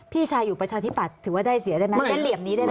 พี่ชายอยู่ประชาธิปัตธ์ถือว่าได้เสียได้ไหม